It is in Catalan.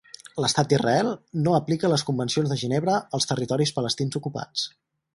L'Estat d'Israel no aplica les Convencions de Ginebra als territoris palestins ocupats.